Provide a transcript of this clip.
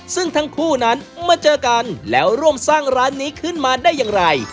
ซึ่งทั้งคู่นั้นมาเจอกันแล้วร่วมสร้างร้านนี้ขึ้นมาได้อย่างไร